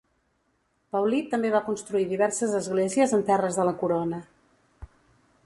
Paulí també va construir diverses esglésies en terres de la corona.